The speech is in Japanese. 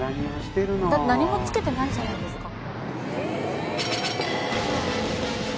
何もつけてないじゃないですか。